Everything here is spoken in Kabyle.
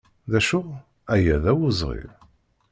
D acu? Aya d awezɣi!